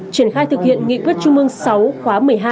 triển khai thực hiện nghị quyết trung ương sáu khóa một mươi hai